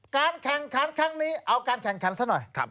การแข่งขันครั้งนี้เอาการแข่งขันซะหน่อย